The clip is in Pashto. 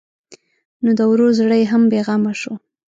نو د ورور زړه یې هم بېغمه شو.